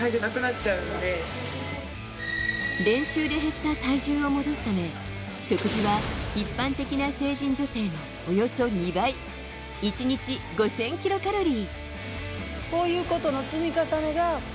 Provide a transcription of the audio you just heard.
練習で減った体重を戻すため、食事は一般的な成人女性のおよそ２倍、１日５０００キロカロリー。